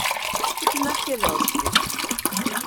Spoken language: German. Gute Nacht ihr Lausbuben!